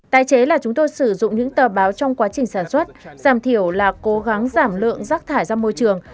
tái chế là chúng tôi sử dụng những tờ báo trong quá trình sản xuất giảm thiểu là cố gắng giảm lượng rác thải ra môi trường